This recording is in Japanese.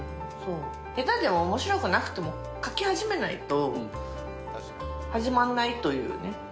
下手でもおもしろくなくても描き始めないと、始まんないというね。